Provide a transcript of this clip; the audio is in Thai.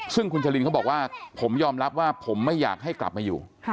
ซึ่งคุณจรินเขาบอกว่าผมยอมรับว่าผมไม่อยากให้กลับมาอยู่